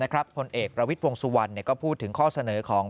ผลเอกประวิทย์วงสุวรรณก็พูดถึงข้อเสนอของ